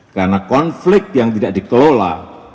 karena konflik yang tidak dikelola